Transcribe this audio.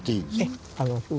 ええ。